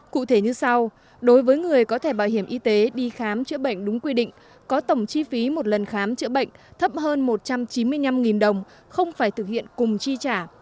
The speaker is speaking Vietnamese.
cụ thể như sau đối với người có thẻ bảo hiểm y tế đi khám chữa bệnh đúng quy định có tổng chi phí một lần khám chữa bệnh thấp hơn một trăm chín mươi năm đồng không phải thực hiện cùng chi trả